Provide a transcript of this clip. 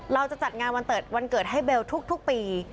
เราจะจัดงานวันเกิดให้เบลทุกปี